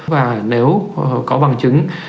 và nếu có bằng chứng